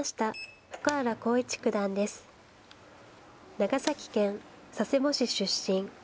長崎県佐世保市出身。